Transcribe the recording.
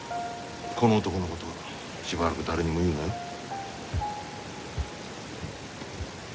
この男のことはしばらく誰にも言うなよ。